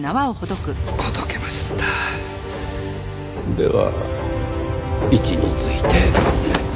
では位置について。